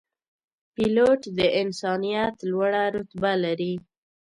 پیلوټ د انسانیت لوړه رتبه لري.